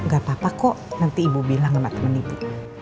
gak apa apa kok nanti ibu bilang sama temen ibu